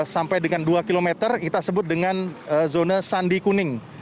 sampai dengan dua km kita sebut dengan zona sandi kuning